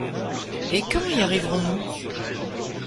Et quand y arriverons-nous ?